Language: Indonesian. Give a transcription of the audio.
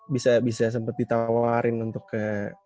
bisa bisa sempet ditawarin untuk ke